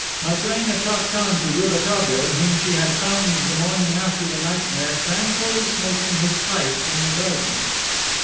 Matrena talked on to Rouletabille, whom she had found the morning after the nightmare tranquilly smoking his pipe in the garden.